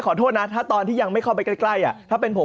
ขอโทษนะถ้าตอนที่ยังไม่เข้าไปใกล้ถ้าเป็นผม